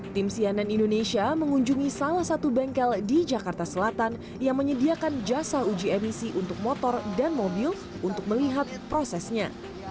tim cnn indonesia mengunjungi salah satu bengkel di jakarta selatan yang menyediakan jasa uji emisi untuk motor dan mobil untuk melihat prosesnya